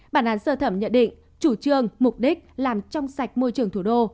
bản án sơ thẩm nhận định chủ trương mục đích làm trong sạch môi trường thủ đô